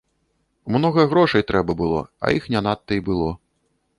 Многа грошай трэба было, а іх не надта і было.